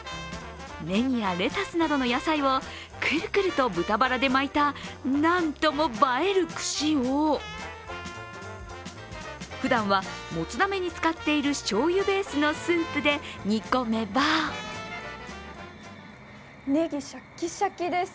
ネギやレタスなどの野菜をくるくると豚バラで巻いた何とも映える串をふだんはもつ鍋に使っているしょうゆベースのスープで煮込めばネギ、シャッキシャキです。